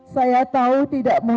saya tahu tidak berhasil